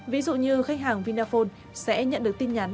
ví dụ như khách hàng vinaphone sẽ nhận được tin nhắn